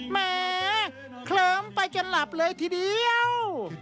แหมเคลิ้มไปจนหลับเลยทีเดียว